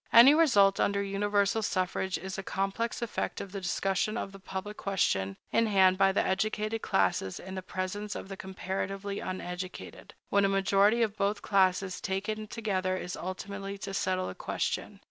Any result under universal suffrage is a complex effect of the discussion of the public question in hand by the educated classes in the presence of the comparatively uneducated, when a majority of both classes taken together is ultimately to settle the question.